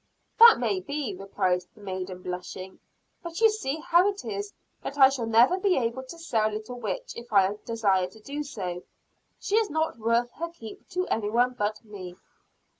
"That may be," replied the maiden blushing; "but you see how it is that I shall never be able to sell Little Witch if I desire to do so. She is not worth her keep to any one but me."